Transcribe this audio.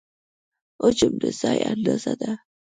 حجم د ځای اندازه ده.